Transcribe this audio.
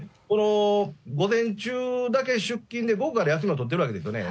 午前中だけ出勤で、午後から休みを取っているわけですよね。